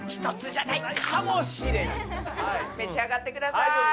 召し上がってください。